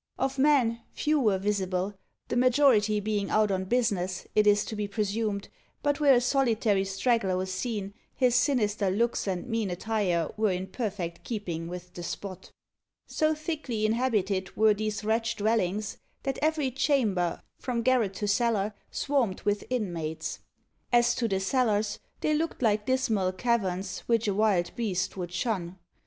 Of men, few were visible the majority being out on business, it is to be presumed; but where a solitary straggler was seen, his sinister looks and mean attire were in perfect keeping with the spot. So thickly inhabited were these wretched dwellings, that every chamber, from garret to cellar, swarmed with inmates. As to the cellars, they looked like dismal caverns, which a wild beast would shun.